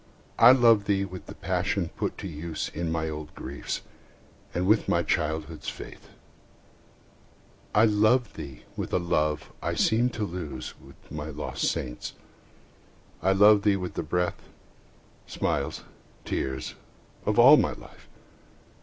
I love thee with the passion put to use In my old griefs, and with my childhood's faith. I love thee with a love I seemed to lose With my lost saints,—I love thee with the breath, Smiles, tears, of all my life!